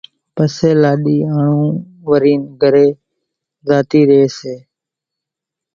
پسيَ لاڏِي آنڻون ورينَ گھرين زاتِي ريئيَ سي۔